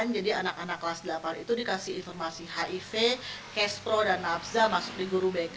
jadi anak anak kelas delapan itu dikasih informasi hiv caspro dan nafsa masuk di guru bk